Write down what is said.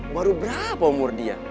baru berapa umur dia